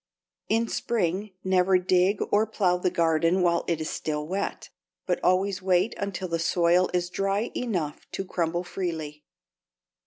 In spring never dig or plow the garden while it is still wet, but always wait until the soil is dry enough to crumble freely.